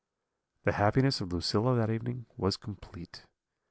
"The happiness of Lucilla that evening was complete.